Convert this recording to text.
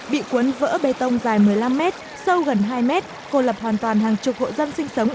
bị cuốn vỡ bê tông dài một mươi năm m sâu gần hai m khô lập hoàn toàn hàng chục hộ dân sinh sống